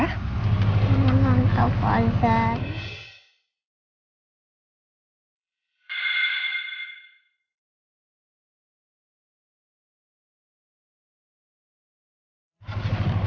selamat malam tante frozen